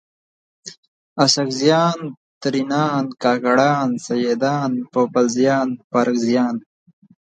اڅکزیان، ترینان، کاکړان، سیدان ، پوپلزیان، بارکزیان